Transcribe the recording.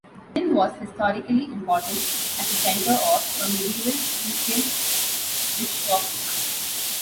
Nin was historically important as a centre of a medieval Christian Bishopric.